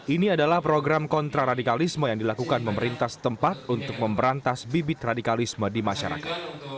ini adalah program kontraradikalisme yang dilakukan pemerintah setempat untuk memberantas bibit radikalisme di masyarakat